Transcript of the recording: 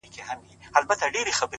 • اوس يې صرف غزل لولم؛ زما لونگ مړ دی؛